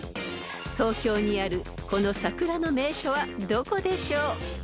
［東京にあるこの桜の名所はどこでしょう？］